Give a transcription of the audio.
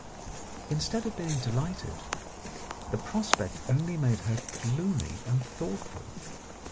Instead of being delighted, the prospect only made her gloomy and thoughtful.